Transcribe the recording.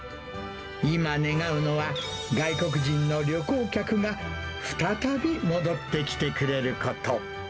今願うのは、外国人の旅行客が再び戻ってきてくれること。